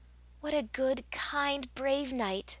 "What a good, kind, brave knight!"